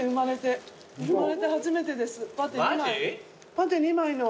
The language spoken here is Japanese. パテ２枚の。